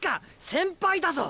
先輩だぞ！